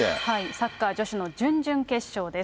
サッカー女子の準々決勝です。